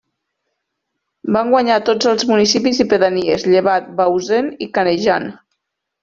Van guanyar a tots els municipis i pedanies llevat Bausen i Canejan.